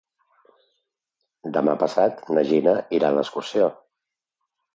Demà passat na Gina irà d'excursió.